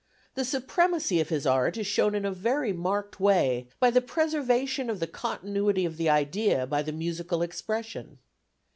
The supremacy of his art is shown in a very marked way by the preservation of the continuity of the idea by the musical expression.